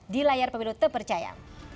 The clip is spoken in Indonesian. di layar pemilu tepercaya